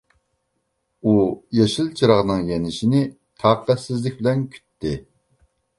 ئۇ يېشىل چىراغنىڭ يېنىشىنى تاقەتسىزلىك بىلەن كۈتتى.